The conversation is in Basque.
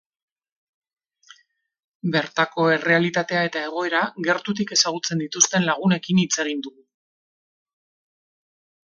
Bertako errealitatea eta egoera gertutik ezagutzen dituzten lagunekin hitz egin dugu.